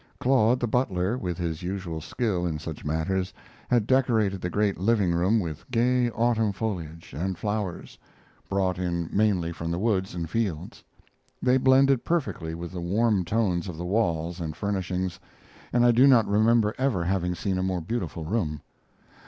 Claude, the butler, with his usual skill in such matters, had decorated the great living room with gay autumn foliage and flowers, brought in mainly from the woods and fields. They blended perfectly with the warm tones of the walls and furnishings, and I do not remember ever having seen a more beautiful room.